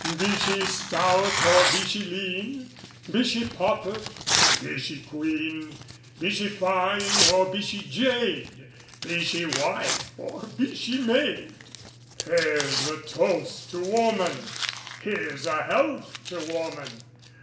Be she stout or be she lean Be she pauper, be she queen Be she fine or be she jade Be she wife or be she maid Here's a toast to woman; Here's a health to woman!